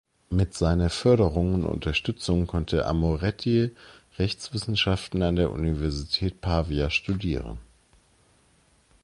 Mit seiner Förderung und Unterstützung konnte Amoretti Rechtswissenschaften an der Universität Pavia studieren.